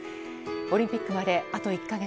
オリンピックまで、あと１か月。